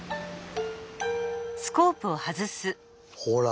ほら！